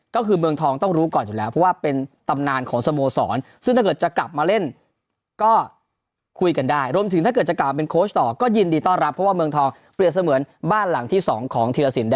ก็คือเมืองทองต้องรู้ก่อนอยู่แล้วเพราะว่าเป็นตำนานของสโมสอน